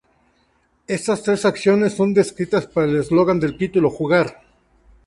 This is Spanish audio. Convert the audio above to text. Estas tres acciones son descritas por el eslogan del título: "Jugar.